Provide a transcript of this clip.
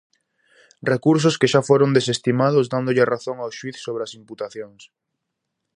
Recursos que xa foron desestimados, dándolle a razón ao xuíz sobre as imputacións.